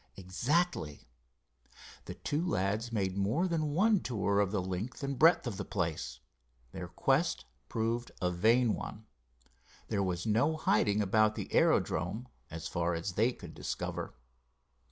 "Exactly." The two lads made more than one tour of the length and breadth of the place. Their quest proved a vain one. There was no one hiding about the aerodrome, as far as they could discover.